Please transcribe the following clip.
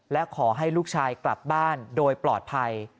และขอให้ลูกชายกลับบ้านโดยปลอดภัย